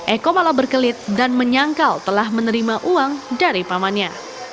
eko malah berkelit dan menyangkal telah menerima uang dari pamannya